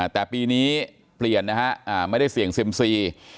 แต่ปีนี้เปลี่ยนนะฮะไม่ได้เสี่ยงเซ็มซี